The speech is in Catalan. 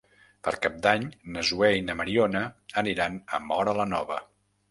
Per Cap d'Any na Zoè i na Mariona aniran a Móra la Nova.